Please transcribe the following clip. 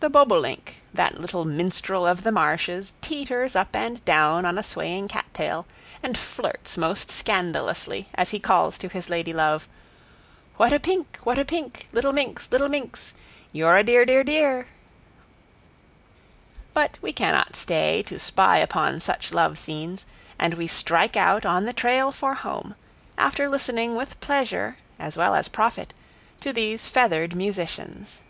The bobolink, that little minstrel of the marshes, teeters up and down on a swaying cattail, and flirts most scandalously, as he calls to his lady love: "What a pink, what a pink, little minx, little minx! You're a dear, dear, dear." But we cannot stay to spy upon such love scenes, and we strike out on the trail for home, after listening with pleasure, as well as profit, to these feathered musicians.